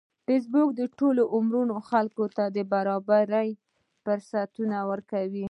فېسبوک د ټولو عمرونو خلکو ته برابر فرصتونه ورکوي